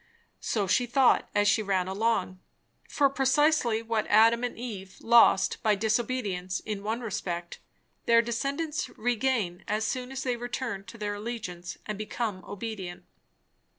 So she thought as she ran along. For, precisely what Adam and Eve lost by disobedience, in one respect, their descendants regain as soon as they return to their allegiance and become obedient.